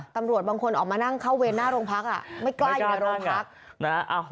ตำรวจบางคนออกมานั่งเข้าเวรหน้าโรงพักอ่ะไม่กล้าอยู่ในโรงพักนะฮะ